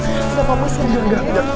gak apa apa silahkan